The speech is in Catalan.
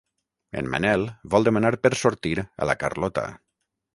En Manel vol demanar per sortir a la Carlota.